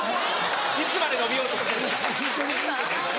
いつまで伸びようとしてるんですか。